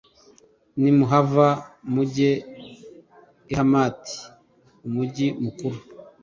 nimuhava mujye i Hamati umugi mukuru,